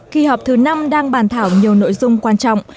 kỳ họp thứ năm đang bàn thảo nhiều nội dung quan trọng